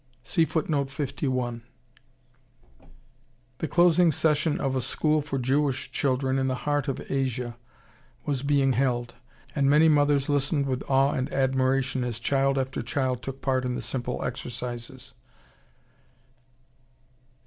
The closing session of a school for Jewish children in the heart of Asia was being held, and many mothers listened with awe and admiration as child after child took part in the simple exercises.